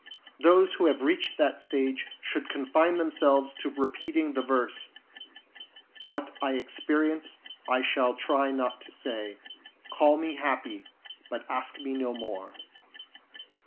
Those who have reached that stage should confine themselves to repeating the verse — What I experience I shall not try to say ; Call me happy, but ask me no more.